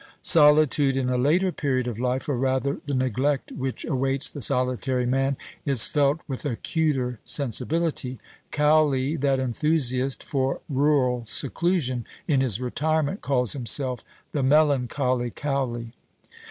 Solitude in a later period of life, or rather the neglect which awaits the solitary man, is felt with acuter sensibility. Cowley, that enthusiast for rural seclusion, in his retirement calls himself "The melancholy Cowley."